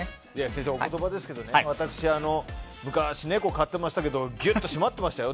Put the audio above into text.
先生、お言葉ですが私、昔、猫を飼ってましたけどギュッと締まってましたよ。